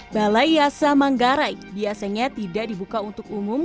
balai yasa manggarai biasanya tidak dibuka untuk umum